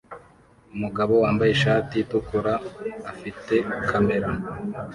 Umugabo wambaye ishati itukura afite kamera